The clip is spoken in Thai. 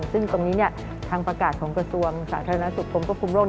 ซึ่งตรงนี้ทางประกาศของกระทรวงสาธารณสุขกรมควบคุมโรค